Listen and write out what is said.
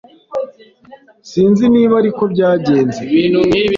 sinzi niba ariko byagenze